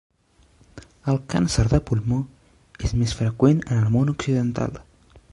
El càncer de pulmó és més freqüent en el món occidental.